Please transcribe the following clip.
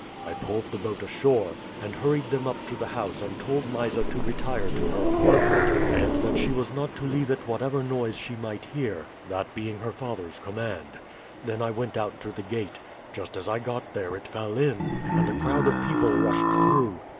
I pulled the boat ashore, and hurried them up to the house and told Mysa to retire to her apartment, and that she was not to leave it whatever noise she might hear, that being her father's command. Then I went out to the gate. Just as I got there it fell in, and a crowd of people rushed through.